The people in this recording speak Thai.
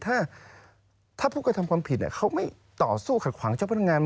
ถ้าพวกเขาทำความผิดเนี่ยเขาไม่ต่อสู้ขัดขวางเจ้าพนักงาน